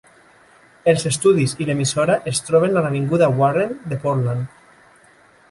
Els estudis i l'emissora es troben a l'avinguda Warren de Portland.